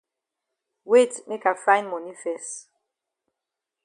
Wait make I find moni fes.